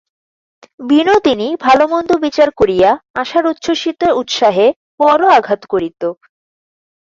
বিনোদিনী ভালোমন্দ বিচার করিয়া আশার উচ্ছ্বসিত উৎসাহে বড়ো আঘাত করিত।